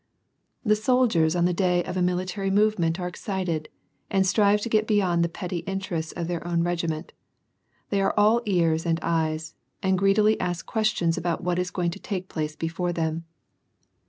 The soldiers on the day of a military movement are excited, and strive to get beyond the petty interests of their own regiment ; they are all ears and eyes, and greedily ask questions about what is going to take place before them.